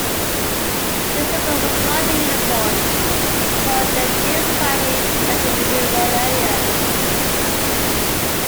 Their support was largely uniform, although they did slightly better in the rural areas.